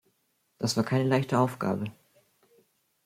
Das war keine leichte Aufgabe.